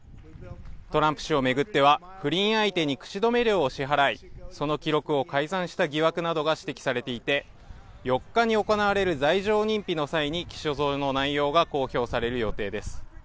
トランプ氏を巡っては、不倫相手に口止め料を支払いその記録を改ざんした疑惑などが指摘されていて、４日に行われる罪状認否の際に起訴状の内容が公表される予定です。